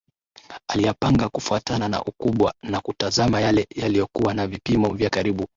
Aliyapanga kufuatana na ukubwa na kutazama yale yaliyokuwa na vipimo vya karibu